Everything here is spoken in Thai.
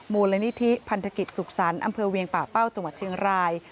มูลนิธิพันธกิจสุขสรรค์อำเภอเวียงป่าเป้าจังหวัดเชียงราย